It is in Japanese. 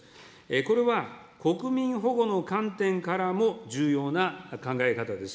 これは国民保護の観点からも重要な考え方です。